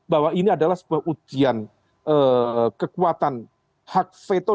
bahwa ini adalah sebuah ujian kekuatan hak veto